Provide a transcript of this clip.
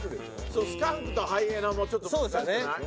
スカンクとハイエナもちょっと難しくない？